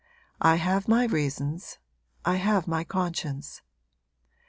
I have my reasons I have my conscience.